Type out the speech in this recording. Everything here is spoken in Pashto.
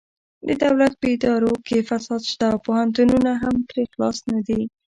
د دولت په ادارو کې فساد شته او پوهنتونونه هم ترې خلاص نه دي